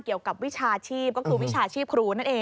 เกี่ยวกับวิชาชีพก็คือวิชาชีพครูนั่นเอง